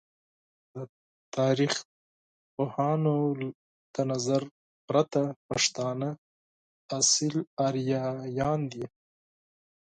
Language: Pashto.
د تاریخ پوهانو د نظر پرته ، پښتانه اصیل آریایان دی!